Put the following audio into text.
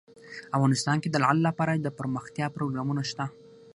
افغانستان کې د لعل لپاره دپرمختیا پروګرامونه شته.